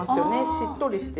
しっとりして。